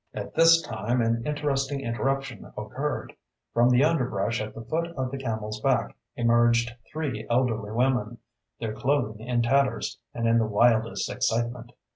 At this time an interesting interruption occurred. From the underbrush at the foot of the Camel's Back emerged three elderly women, their clothing in tatters, and in the wildest excitement.